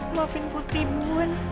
maafin putri bun